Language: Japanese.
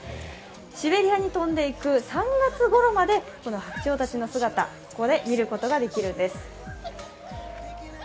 シベリアに飛んで行く３月ごろまで白鳥たちの姿ここで見ることができるんです。